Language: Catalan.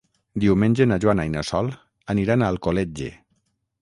Diumenge na Joana i na Sol aniran a Alcoletge.